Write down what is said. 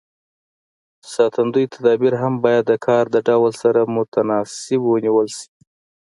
ساتندوی تدابیر هم باید د کار د ډول سره متناسب ونیول شي.